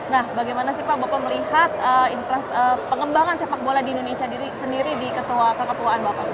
nah bagaimana sih pak bapak melihat pengembangan sepak bola di indonesia sendiri di keketuaan bapak sendiri